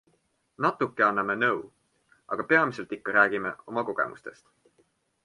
Natuke anname nõu, aga peamiselt ikka räägime oma kogemusest.